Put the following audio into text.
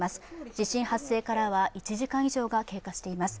地震発生からは１時間以上が経過しています。